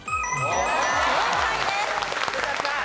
正解です。